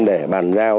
để bàn giao